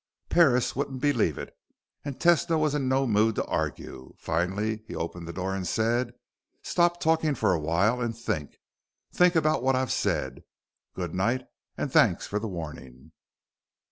Parris wouldn't believe it, and Tesno was in no mood to argue. Finally, he opened the door and said, "Stop talking for a while and think. Think about what I've said. Good night and thanks for the warning."